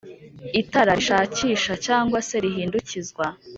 itara rishakisha cg se rihindukizwa